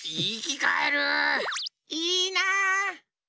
いいな。